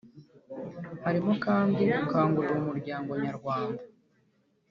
harimo kandi gukangurira umuryango nyarwanda